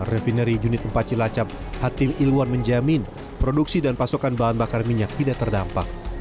refinery unit empat cilacap hatim ilwan menjamin produksi dan pasokan bahan bakar minyak tidak terdampak